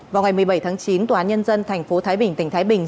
vào ngày một mươi bảy tháng chín tòa án nhân dân thành phố thái bình tỉnh thái bình